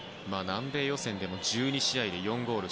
南米予選でも１２試合で４ゴール。